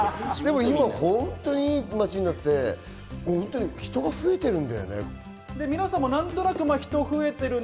今、本当に良い街になって人が増えているんだよね。